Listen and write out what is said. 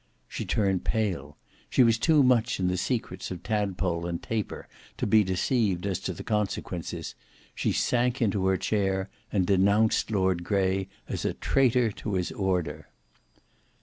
She turned pale; she was too much in the secrets of Tadpole and Taper to be deceived as to the consequences; she sank into her chair, and denounced Lord Grey as a traitor to his order.